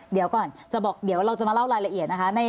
เดี๋ยวก่อนจะบอกเดี๋ยวเราจะมาเล่ารายละเอียดนะคะ